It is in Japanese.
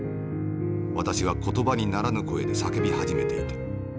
私は言葉にならぬ声で叫び始めていた。